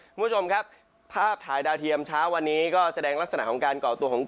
คุณผู้ชมครับภาพถ่ายดาวเทียมเช้าวันนี้ก็แสดงลักษณะของการก่อตัวของกลุ่ม